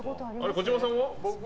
児嶋さんは？